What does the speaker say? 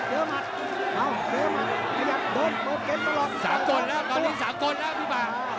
สากลแล้วตอนนี้สากลแล้วพี่ป่าว